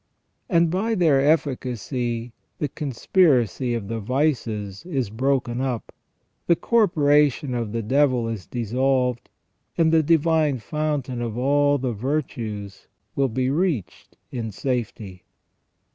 And by their efficacy the conspiracy of the vices is broken up, the corporation of the devil is dissolved, and the Diyine Fountain of all the virtues will be reached in safety.